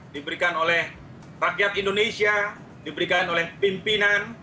diberikan oleh rakyat indonesia diberikan oleh pimpinan